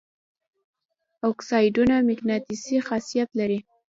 اکسایدونه مقناطیسي خاصیت لري.